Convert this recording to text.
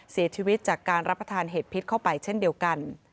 เสียชีวิตจากการรับประทานเห็ดพิษเข้าไปเช่นเดียวกัน